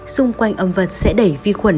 xung quanh âm vật sẽ đẩy vi khuẩn